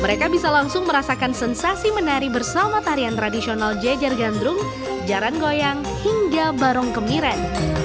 mereka bisa langsung merasakan sensasi menari bersama tarian tradisional jejer gandrum jaran goyang hingga barong kemiren